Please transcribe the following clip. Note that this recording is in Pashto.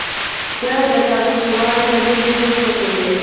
پسه د تاوتریخوالي نه لیرې ژوند خوښوي.